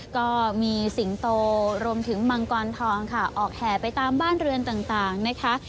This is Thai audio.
ก็มีสิงโตรวมถึงมังกรทองค่ะออกแห่ไปตามบ้านเรือนต่างนะคะ